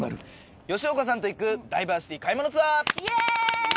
吉岡さんと行くダイバーシティ買い物ツアー！